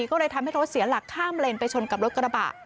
ก็เลยทำให้รถเสียหลักข้ามเลนไปชนกับรถกระบะ